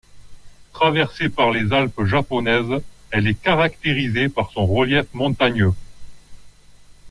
Traversée par les Alpes japonaises, elle est caractérisée par son relief montagneux.